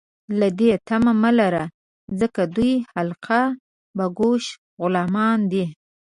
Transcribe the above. له دوی تمه مه لرئ ، ځکه دوی حلقه باګوش غلامان دي